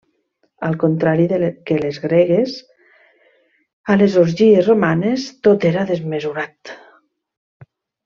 Al contrari que les gregues, a les orgies romanes tot era desmesurat.